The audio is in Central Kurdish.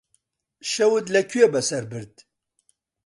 شەوت لەکوێ بەسەر برد؟